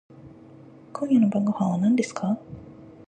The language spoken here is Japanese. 今夜の晩御飯は何ですか？